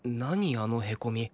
あのへこみ